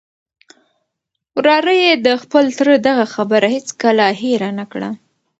وراره یې د خپل تره دغه خبره هیڅکله هېره نه کړه.